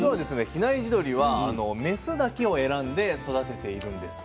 比内地鶏はメスだけを選んで育てているんです。